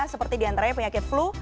seperti di antaranya penyakit flu